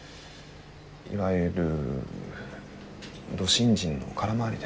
いわゆるド新人の空回りです。